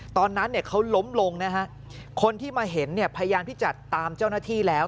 ตอนนั้นเขาล้มลงคนที่มาเห็นพยานพิจัตรตามเจ้าหน้าที่แล้ว